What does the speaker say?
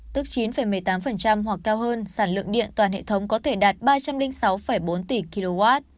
tức chín một mươi tám hoặc cao hơn sản lượng điện toàn hệ thống có thể đạt ba trăm linh sáu bốn tỷ kw